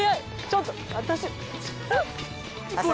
ちょっと私。